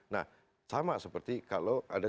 nah sama seperti kalau ada